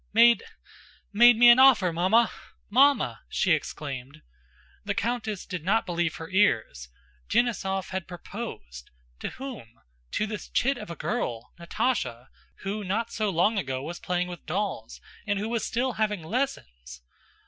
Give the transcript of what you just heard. "Made, made me an offer, Mamma! Mamma!" she exclaimed. The countess did not believe her ears. Denísov had proposed. To whom? To this chit of a girl, Natásha, who not so long ago was playing with dolls and who was still having lessons.